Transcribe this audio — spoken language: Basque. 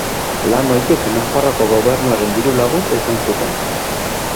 Lan horiek Nafarroako gobernuaren diru laguntza izan zuten.